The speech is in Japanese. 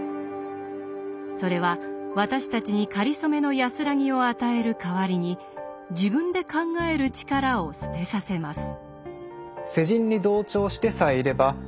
それは私たちにかりそめの安らぎを与える代わりに自分で考える力を捨てさせます。